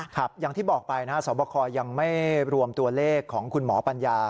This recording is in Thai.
อย่างที่บอกไปนะครับสวบคยังไม่รวมตัวเลขของคุณหมอปัญญา